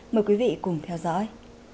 mời quý vị cùng theo dõi